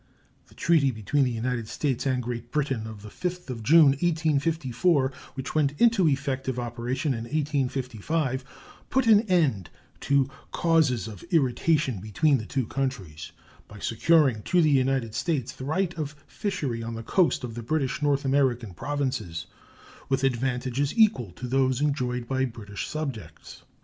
The treaty between the United States and Great Britain of the 5th of June, 1854, which went into effective operation in 1855, put an end to causes of irritation between the two countries, by securing to the United States the right of fishery on the coast of the British North American Provinces, with advantages equal to those enjoyed by British subjects.